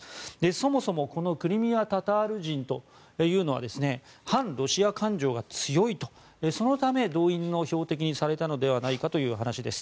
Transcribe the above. そもそも、このクリミア・タタール人というのは反ロシア感情が強いとそのため動員の標的にされたのではないかという話です